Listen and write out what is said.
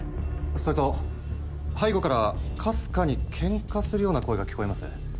それと背後からかすかにケンカするような声が聞こえます。